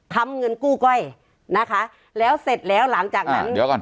้ำเงินกู้ก้อยนะคะแล้วเสร็จแล้วหลังจากนั้นเดี๋ยวก่อน